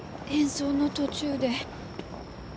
演奏の途中で。